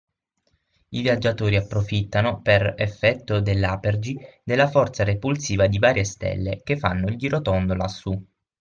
I viaggiatori approfittano, per effetto dell'apergy, della forza repulsiva di varie stelle, che fanno il girotondo lassù…